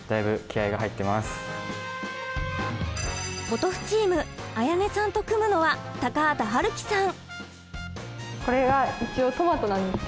ポトフチーム絢音さんと組むのは高畑温輝さん。